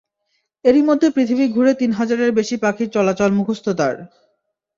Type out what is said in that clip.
এরই মধ্যে পৃথিবী ঘুরে তিন হাজারের বেশি পাখির চলাচল মুখস্থ তার।